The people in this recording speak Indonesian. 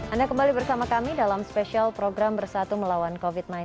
anda kembali bersama kami dalam spesial program bersatu melawan covid sembilan belas